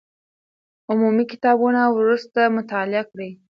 عمومي کتابونه وروسته مطالعه کړئ.